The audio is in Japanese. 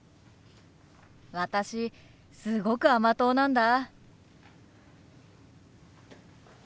私すごく甘党なんだ。